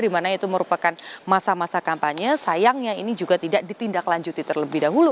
dimana itu merupakan masa masa kampanye sayangnya ini juga tidak ditindaklanjuti terlebih dahulu